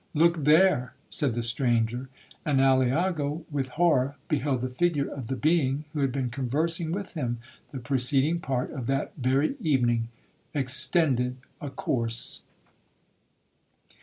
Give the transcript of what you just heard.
'Look there!' said the stranger; and Aliaga with horror beheld the figure of the being who had been conversing with him the preceding part of that very evening,—extended a corse!